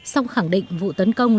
sau khẳng định vụ tấn công